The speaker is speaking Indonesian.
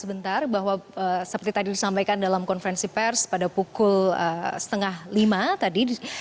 sebentar bahwa seperti tadi disampaikan dalam konferensi pers pada pukul setengah lima tadi